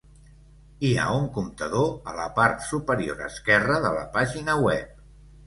Hi ha un comptador a la part superior esquerra de la pàgina web.